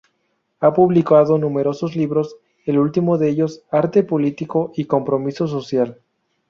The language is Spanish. Ha publicado numerosos libros, el último de ellos, "Arte político y compromiso social.